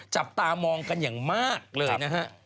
จับตามองกันอย่างมากเลยนะฮะ